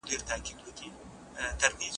د زړه خندا ریښتینې خندا ده.